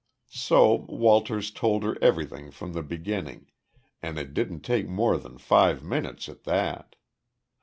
So Walters told her everything from the beginning and it didn't take more than five minutes at that.